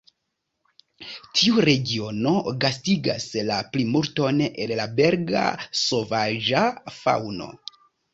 Tiu regiono gastigas la plimulton el la belga sovaĝa faŭno.